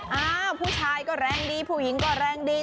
อ้าวผู้ชายก็แรงดีผู้หญิงก็แรงดี